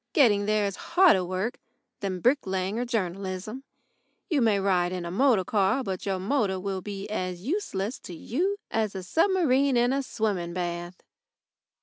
Getting there is harder work than bricklaying or journalism. You may ride in a motor car, but your motor will be as useless to you as a submarine in a swimming bath.